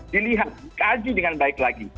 dilihat dikaji dengan baik lagi